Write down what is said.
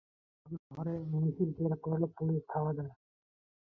এরপর সকাল নয়টার দিকে শহরে মিছিল বের করলে পুলিশ ধাওয়া দেয়।